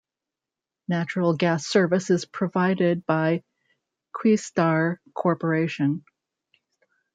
Natural gas service is provided by Questar Corporation.